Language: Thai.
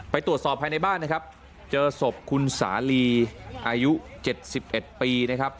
ตรวจสอบภายในบ้านนะครับเจอศพคุณสาลีอายุ๗๑ปีนะครับ